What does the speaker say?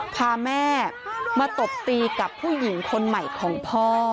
พาแม่มาตบตีกับผู้หญิงคนใหม่ของพ่อ